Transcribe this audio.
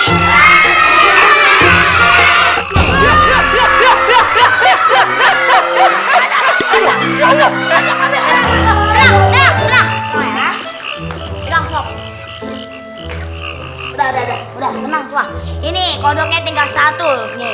udah udah udah udah ini kondoknya tinggal satu